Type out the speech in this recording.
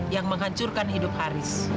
yang menghancurkan hidup haris